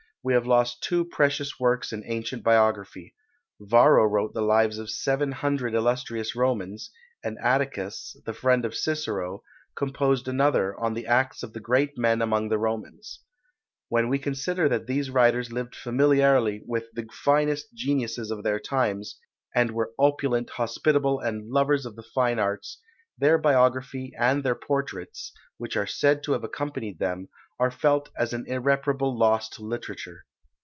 We have lost two precious works in ancient biography: Varro wrote the lives of seven hundred illustrious Romans; and Atticus, the friend of Cicero, composed another, on the acts of the great men among the Romans. When we consider that these writers lived familiarly with the finest geniuses of their times, and were opulent, hospitable, and lovers of the fine arts, their biography and their portraits, which are said to have accompanied them, are felt as an irreparable loss to literature.